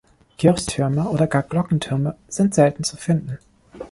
Kirchtürme oder gar Glockentürme sind selten zu finden.